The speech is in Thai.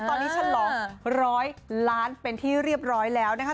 ตอนนี้ฉลองร้อยล้านเป็นที่เรียบร้อยแล้วนะคะ